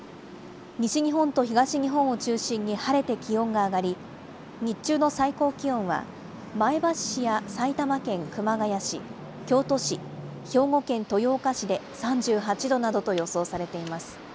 西日本と東日本を中心に晴れて気温が上がり、日中の最高気温は、前橋市や埼玉県熊谷市、京都市、兵庫県豊岡市で３８度などと予想されています。